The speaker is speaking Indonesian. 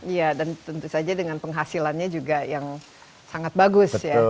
iya dan tentu saja dengan penghasilannya juga yang sangat bagus ya